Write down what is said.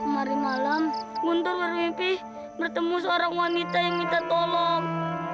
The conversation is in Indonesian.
mari malam guntur bermimpi bertemu seorang wanita yang minta tolong